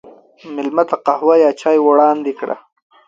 مېلمه ته قهوه یا چای وړاندې کړه.